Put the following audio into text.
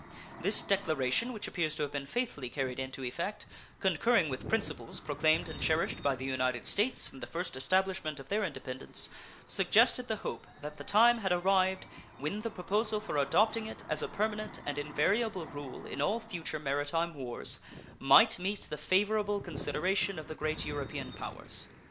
This declaration, which appears to have been faithfully carried into effect, concurring with principles proclaimed and cherished by the United States from the first establishment of their independence, suggested the hope that the time had arrived when the proposal for adopting it as a permanent and invariable rule in all future maritime wars might meet the favorable consideration of the great European powers.